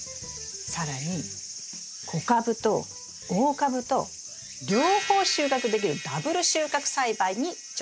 更に小株と大株と両方収穫できるダブル収穫栽培に挑戦しようと思うんです。